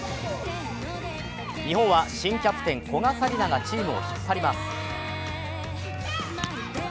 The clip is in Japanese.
日本は新キャプテン・古賀紗理那がチームを引っ張ります。